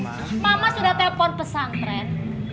mama sudah telepon pesantren